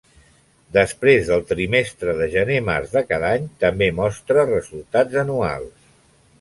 Després del trimestre de gener-març de cada any, també Mostra resultats anuals.